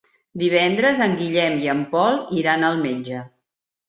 Divendres en Guillem i en Pol iran al metge.